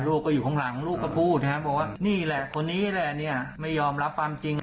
ลูกก็อยู่ข้างหลังลูกก็พูดนะครับบอกว่านี่แหละคนนี้แหละเนี่ยไม่ยอมรับความจริง